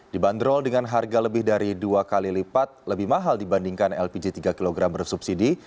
dibanderol dengan harga lebih dari dua kali lipat lebih mahal dibandingkan lpg tiga kg bersubsidi